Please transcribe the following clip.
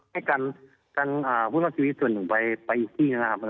ให้กันผู้รอดชีวิตส่วนหนึ่งไปอีกที่นะครับ